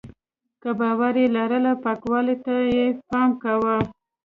که باور یې لرلی پاکوالي ته یې پام کاوه.